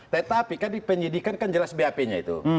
tetapi kan di penyidikan kan jelas bap nya itu